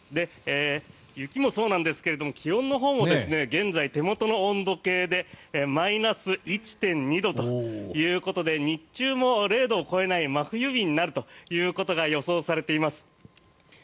雪もそうなんですが気温のほうも現在、手元の温度計でマイナス１．２度ということで日中も０度を超えない真冬日になるということが予想されています。